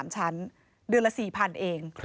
๓ชั้นเดือนละ๔๐๐๐เอง